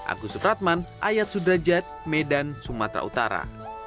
agus supratman ayat sudrajat medan sumatera utara